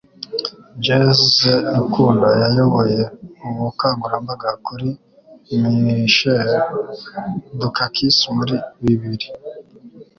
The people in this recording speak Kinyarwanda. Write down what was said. Jesse Rukundo yayoboye ubukangurambaga kuri Michael Dukakis muri bibiri